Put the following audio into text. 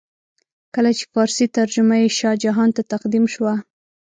کله چې فارسي ترجمه یې شاه جهان ته تقدیم شوه.